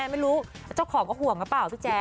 ไม่รู้เจ้าของก็ห่วงกับป่าวพี่แจ๊